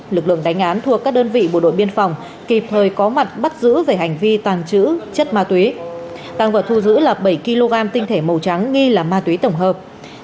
lực lượng đánh án thuộc các đơn vị bộ đội biên phòng kịp thời có mặt bắt giữ về hành vi tàng trữ chất ma túy tăng vật thu giữ là bảy kg tinh thể màu trắng nghi là ma túy tổng hợp